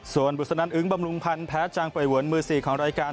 ส่วนบุษนันอึ้งบำรุงพันธ์แพ้จังปล่อยเวินมือ๔ของรายการ